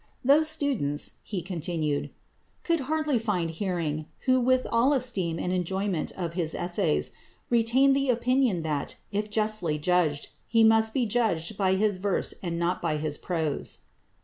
"Those students," he continued, "could hardly find hearing, who with all esteem and enjoyment of his essays ... retained the opinion that, if justly judged, he must be judged by his verse and not by his prose."